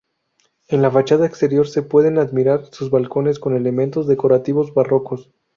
En la fachada exterior se pueden admirar sus balcones con elementos decorativos barrocos.